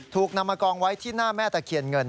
ถูกนำมากองไว้ที่หน้าแม่ตะเคียนเงิน